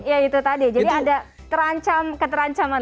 ya itu tadi jadi anda terancam keterancaman